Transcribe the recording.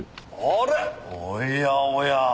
おやおや。